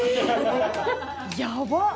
やばっ！